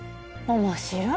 面白い。